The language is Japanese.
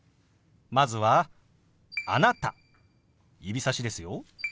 まずは「あなた」指さしですよ。